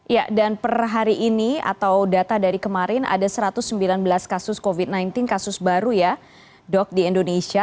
ya dan per hari ini atau data dari kemarin ada satu ratus sembilan belas kasus covid sembilan belas kasus baru ya dok di indonesia